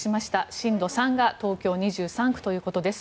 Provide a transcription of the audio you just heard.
震度３が東京２３区ということです。